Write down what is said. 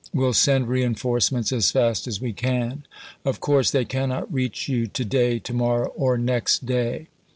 Will send reenforce ments as fast as we can. Of coui'se they cannot reach you to day, to morrow, or next day.